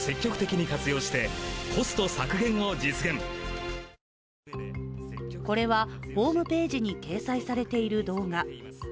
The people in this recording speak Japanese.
更にこれはホームページに掲載されている動画。